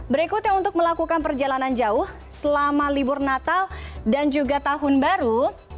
berikutnya untuk melakukan perjalanan jauh selama libur natal dan juga tahun baru